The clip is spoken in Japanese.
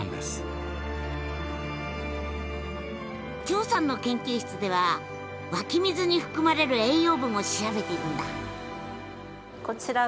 張さんの研究室では湧き水に含まれる栄養分を調べているんだ。